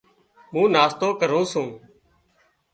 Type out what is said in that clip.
مُون ناشتو ڪرُون سُون۔